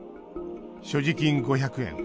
所持金５００円。